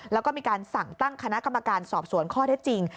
แล้วก็มีการสั่งตั้งคณะกรรมการสอบสวนข้อเท็จจริง